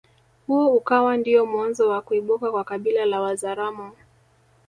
Huo ukawa ndiyo mwanzo wa kuibuka kwa kabila la Wazaramo